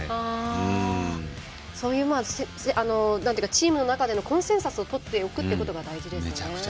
そういうチームの中でのコンセンサスをとっておくというのが大事なんですね。